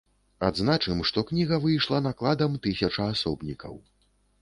Адзначым, што кніга выйшла накладам тысяча асобнікаў.